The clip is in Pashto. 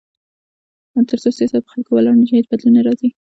تر څو سیاست پر خلکو ولاړ نه شي، هیڅ بدلون نه راځي.